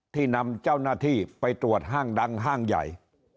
นำเจ้าหน้าที่ไปตรวจห้างดังห้างใหญ่